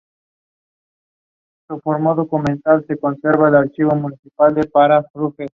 No parece sencillo definir de manera clara un sintagma nominal y un sujeto.